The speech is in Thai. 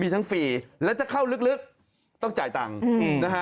มีทั้งฟรีและถ้าเข้าลึกต้องจ่ายตังค์นะฮะ